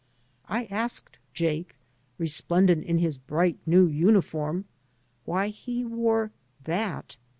I asked Jake, resplendent in his bright new uniform why he wore " that."